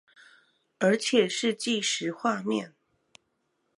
而且是計時畫面？